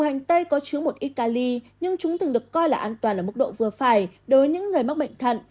đây có chứa một ít cali nhưng chúng từng được coi là an toàn ở mức độ vừa phải đối với những người mắc bệnh thận